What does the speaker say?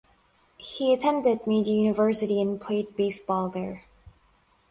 He attended Meiji University and played baseball there.